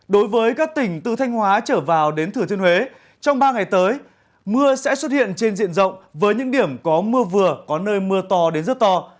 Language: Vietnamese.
đối với các tỉnh từ thanh hóa trở vào đến thừa thiên huế trong ba ngày tới mưa sẽ xuất hiện trên diện rộng với những điểm có mưa vừa có nơi mưa to đến rất to